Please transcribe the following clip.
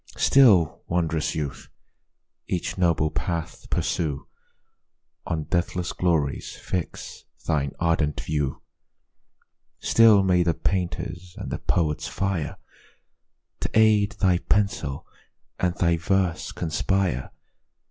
Still, wond'rous youth! each noble path pursue, On deathless glories fix thine ardent view: Still may the painter's and the poet's fire To aid thy pencil, and thy verse conspire!